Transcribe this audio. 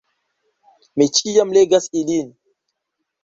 Mi ĉiam legas ilin.